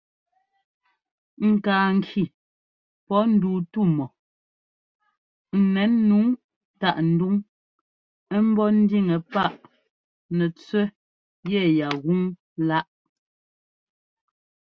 Ŋkaa ŋki pɔ́ nduu tú mɔ n nɛn nǔu táꞌ nduŋ ḿbɔ́ ńdíŋɛ páꞌ nɛtsẅɛ́ yɛyá gúŋláꞌ.